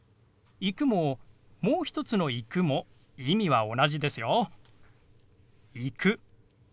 「行く」ももう一つの「行く」も意味は同じですよ。